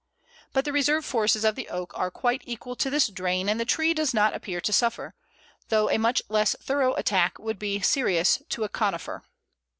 But the reserve forces of the Oak are quite equal to this drain, and the tree does not appear to suffer, though a much less thorough attack would be serious to a Conifer.